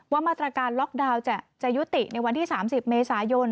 มาตรการล็อกดาวน์จะยุติในวันที่๓๐เมษายน